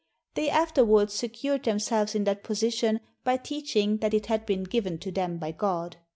They after wards secured themselves in that position by teaching that it had been given to them by God.